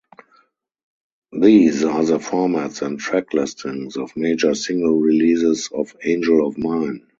These are the formats and track listings of major single-releases of "Angel of Mine".